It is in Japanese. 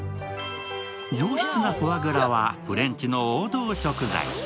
上質なフォアグラはフレンチの王道食材。